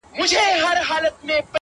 خو اووه زره کلونه غُلامي درته په کار ده